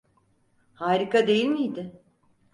Harika değil miydi?